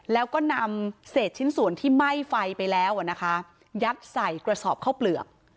แล้วก็นำเศษชิ้นส่วนที่ไหม้ไฟไปแล้วนะคะยัดใส่กระสอบข้าวเปลือก